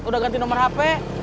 udah ganti nomor hp